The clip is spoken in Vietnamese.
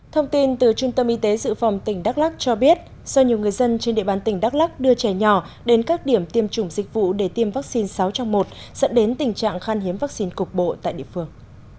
thông tin từ trung tâm y tế dự phòng tỉnh đắk lắc cho biết do nhiều người dân trên địa bàn tỉnh đắk lắc đưa trẻ nhỏ đến các điểm tiêm chủng dịch vụ để tiêm vaccine sáu trong một dẫn đến tình trạng khan hiếm vaccine cục bộ tại địa phương